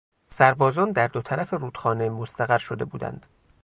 سربازان در دو طرف رودخانه مستقر شده بودند.